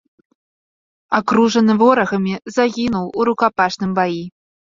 Акружаны ворагамі, загінуў у рукапашным баі.